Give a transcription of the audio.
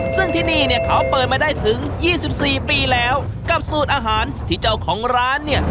ซึ่งที่นี่เนี่ยเขาเปิดมาได้ถึง๒๔ปีแล้วกับสูตรอาหารที่เจ้าของร้านเนี่ย